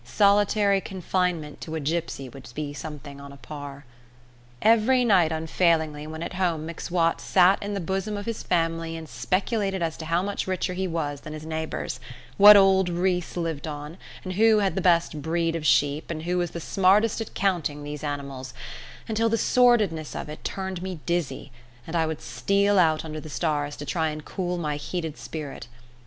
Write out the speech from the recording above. Solitary confinement to a gipsy would be something on a par. Every night unfailingly when at home M'Swat sat in the bosom of his family and speculated as to how much richer he was than his neighbours, what old Recce lived on, and who had the best breed of sheep and who was the smartest at counting these animals, until the sordidness of it turned me dizzy, and I would steal out under the stars to try and cool my heated spirit.